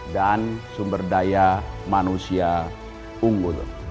dan sumber daya manusia unggul